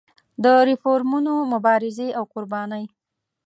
د ریفورمونو مبارزې او قربانۍ.